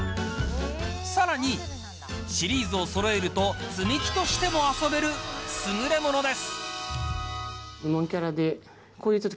さらにシリーズをそろえると積み木としても遊べるすぐれものです。